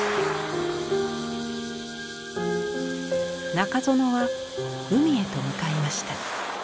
中園は海へと向かいました。